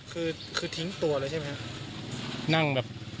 คือทิ้งตัวเลยใช่ไหม